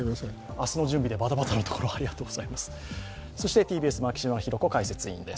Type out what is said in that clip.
明日の準備でばたばたのところ、ありがとうございます。